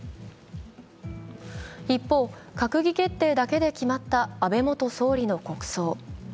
一方、閣議決定だけで決まった安倍元総理の国葬。